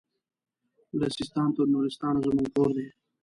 له سیستان تر نورستانه زموږ کور دی